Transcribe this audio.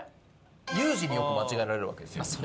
ユージによく間違えられるわけですよ。